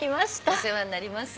お世話になります。